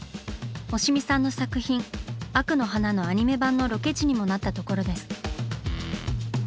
押見さんの作品「惡の華」のアニメ版のロケ地にもなったところです。